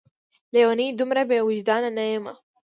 لېونۍ! دومره بې وجدان نه یمه